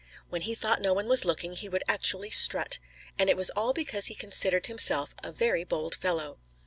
When he thought no one was looking, he would actually strut. And it was all because he considered himself a very bold fellow.